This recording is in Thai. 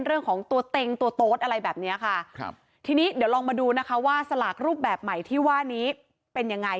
เรื่องของตัวเต็งตัวโต๊ดอะไรแบบเนี้ยค่ะครับทีนี้เดี๋ยวลองมาดูนะคะว่าสลากรูปแบบใหม่ที่ว่านี้เป็นยังไง